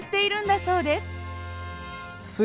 そうですね。